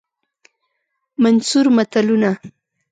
منثور متلونه